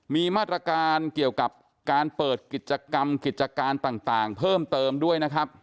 มีมาตรการเกี่ยวกับการเปิดกิจกรรมกิจการต่างเพิ่มเติมด้วยนะครับ